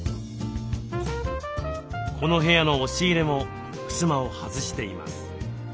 この部屋の押し入れもふすまを外しています。